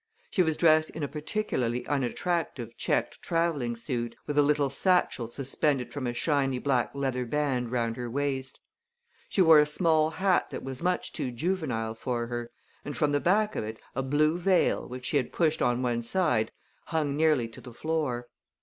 She was dressed in a particularly unattractive checked traveling suit, with a little satchel suspended from a shiny black leather band round her waist. She wore a small hat that was much too juvenile for her; and from the back of it a blue veil, which she had pushed on one side, hung nearly to the floor.